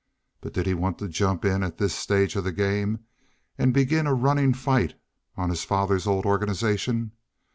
But did he want to jump in, at this stage of the game, and begin a running fight on his father's old organization?